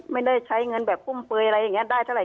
ไม่ได้ใช้เงินแบบพุ่มเฟยอะไรอย่างนี้ได้เท่าไห